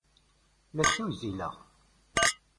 La ttiwzileɣ!